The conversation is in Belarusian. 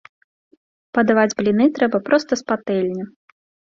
Падаваць бліны трэба проста з патэльні.